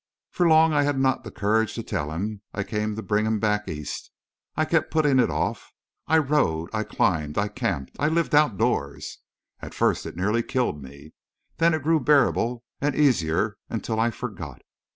For long I had not the courage to tell him I came to bring him back East. I kept putting it off. And I rode, I climbed, I camped, I lived outdoors. At first it nearly killed me. Then it grew bearable, and easier, until I forgot.